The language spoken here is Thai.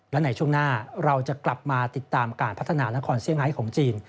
และในช่วงหน้าเราจะกลับมาติดตามการพัฒนานครเซี่ยงไฮของจีน